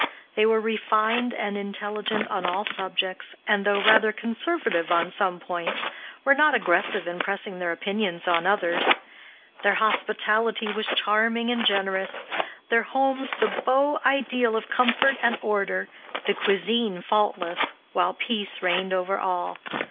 They were refined and intelligent on all subjects, and though rather conservative on some points, were not aggressive in pressing their opinions on others. Their hospitality was charming and generous, their homes the beau ideal of comfort and order, the cuisine faultless, while peace reigned over all.